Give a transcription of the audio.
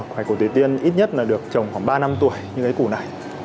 hoài củ thủy tiên ít nhất là được trồng khoảng ba năm tuổi như cái củ này